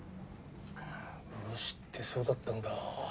漆ってそうだったんだ。